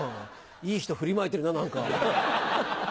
いい人振りまいてるな、なんか。